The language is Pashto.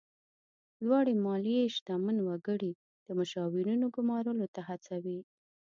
لوړې مالیې شتمن وګړي د مشاورینو ګمارلو ته هڅوي.